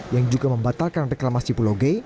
yang juga membatalkan reklamasi pulau g